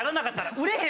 「売れへん」。